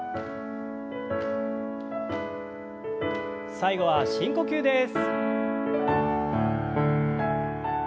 最後は深呼吸です。